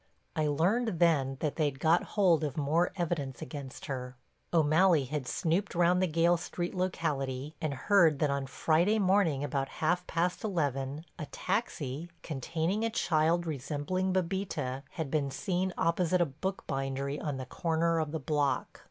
I learned then that they'd got hold of more evidence against her. O'Malley had snooped round the Gayle Street locality and heard that on Friday morning about half past eleven a taxi, containing a child resembling Bébita, had been seen opposite a book bindery on the corner of the block.